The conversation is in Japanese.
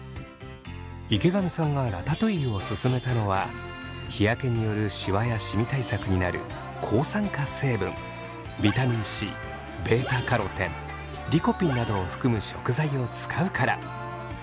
池上さんがラタトゥイユをすすめたのは日焼けによるシワやシミ対策になる抗酸化成分ビタミンＣβカロテンリコピンなどを含む食材を使うから。